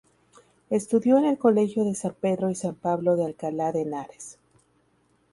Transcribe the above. Estudió en el colegio de San Pedro y San Pablo de Alcalá de Henares.